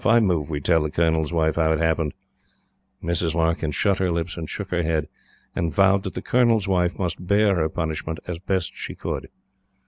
I move we tell the Colonel's Wife how it happened." Mrs. Larkyn shut her lips and shook her head, and vowed that the Colonel's Wife must bear her punishment as best she could.